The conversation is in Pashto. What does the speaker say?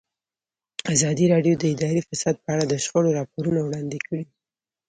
ازادي راډیو د اداري فساد په اړه د شخړو راپورونه وړاندې کړي.